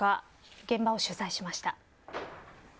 現場を取材しました。